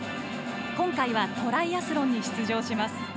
今回は、トライアスロンに出場します。